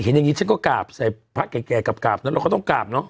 เห็นอย่างนี้ฉันก็กราบใส่พระแก่กราบแล้วเราก็ต้องกราบเนอะ